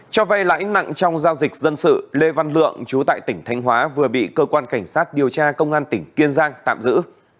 cho vay lãnh nặng trong giao dịch dân sự lê văn lượng chú tại tỉnh thanh hóa vừa bị cơ quan cảnh sát điều tra công an tỉnh kiên giang tạm giữ